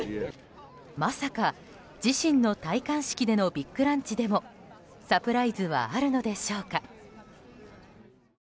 まさか自身の戴冠式でのビッグランチでもサプライズはあるのでしょうか。